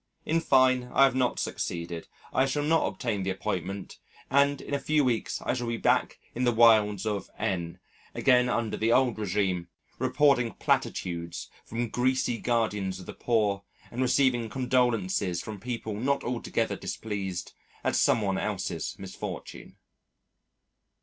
In fine, I have not succeeded, I shall not obtain the appointment, and in a few weeks I shall be back in the wilds of N again under the old regime, reporting platitudes from greasy guardians of the poor, and receiving condolences from people not altogether displeased at some one else's misfortune.